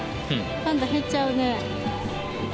パンダ減っちゃうね。